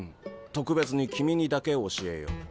特別に君にだけ教えよう。